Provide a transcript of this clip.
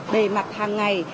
bề mặt hàng ngày